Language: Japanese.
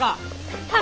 はい！